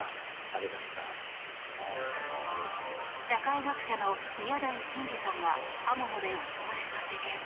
社会学者の宮台真司さんが刃物で襲われた事件。